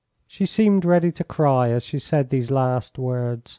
She seemed ready to cry as she said these last words.